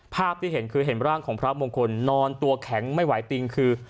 ภาพที่เห็นคือเห็นร่างของพระมงคลนอนตัวแข็งไม่ไหวติงคือ